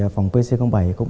phòng pc bảy cũng đã tấn công